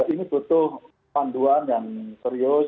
ini butuh panduan yang serius